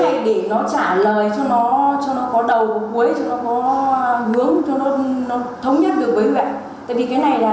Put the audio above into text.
cái này để nó trả lời cho nó có đầu cuối cho nó có hướng cho nó thống nhất được với người ạ